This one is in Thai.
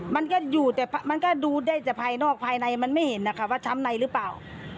มันก็ดูได้จากภายนอกภายในมันไม่เห็นว่าช้ำในหรือเปล่า